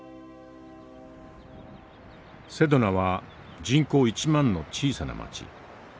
セドナは人口１万の小さな町。